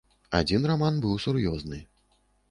Адзін раман быў сур'ёзны.